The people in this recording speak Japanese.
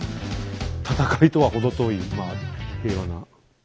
戦いとは程遠いまあ平和な。